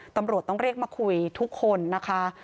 ตำรวจต้องเรียกมาคุยทุกคนนะคะ